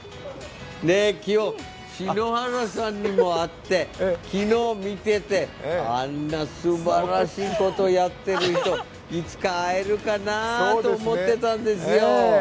今日、篠原さんにも会って、昨日見ててあんなすばらしいことやってる人、いつか会えるかなと思ってたんですよ。